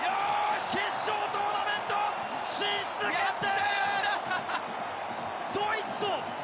決勝トーナメント進出決定！